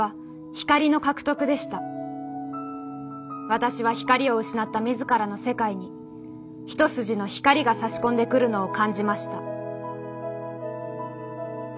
「私は光を失った自らの世界に一筋の光が差し込んでくるのを感じました」。